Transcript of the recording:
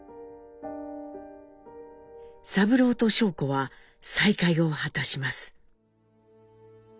三郎と尚子は再会を果たします。